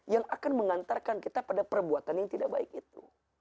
yang akan mengantarkan kita pada perbuatan yang tidak baik itu